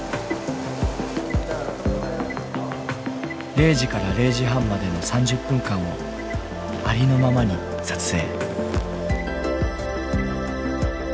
０時から０時半までの３０分間をありのままに撮影。